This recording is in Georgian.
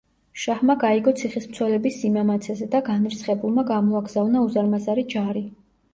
შაჰმა გაიგო ციხის მცველების სიმამაცეზე და განრისხებულმა გამოაგზავნა უზარმაზარი ჯარი.